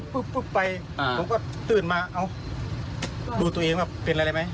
ปุ๊บไปผมก็ตื่นมาเอ้าดูตัวเองว่าเป็นอะไรไหม